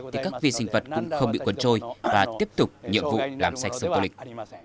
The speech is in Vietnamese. thì các vi sinh vật cũng không bị cuốn trôi và tiếp tục nhiệm vụ làm sạch sông tô lịch